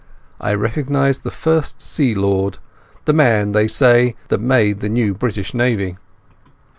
I recognized the First Sea Lord, the man, they say, that made the new British Navy.